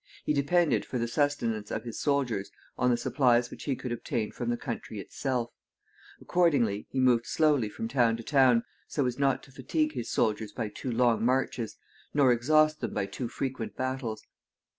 He depended for the sustenance of his soldiers on the supplies which he could obtain from the country itself. Accordingly, he moved slowly from town to town, so as not to fatigue his soldiers by too long marches, nor exhaust them by too frequent battles.